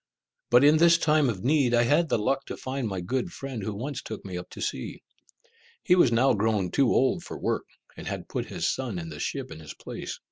But in this time of need, I had the luck to find my good friend who once took me up at sea. He was now grown too old for work, and had put his son in the ship in his place.